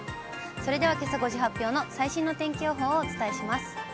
それではけさ５時発表の最新の天気予報をお伝えします。